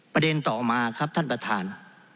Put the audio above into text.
ประเด็นต่อมาครับท่านประธาน